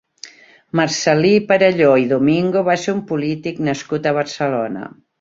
Marcel·lí Perelló i Domingo va ser un polític nascut a Barcelona.